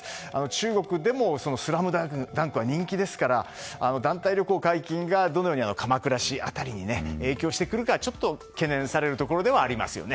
中国でも「ＳＬＡＭＤＵＮＫ」は人気ですから団体旅行解禁がどのように鎌倉市辺りに影響してくるのかちょっと懸念されるところではありますね。